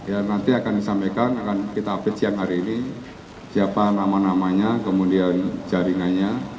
ya nanti akan disampaikan akan kita update siang hari ini siapa nama namanya kemudian jaringannya